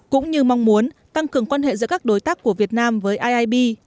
cũng như mong muốn tăng cường quan hệ giữa các đối tác của việt nam với iib